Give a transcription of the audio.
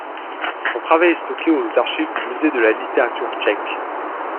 Son travail est stocké aux archives du Musée de la littérature tchèque.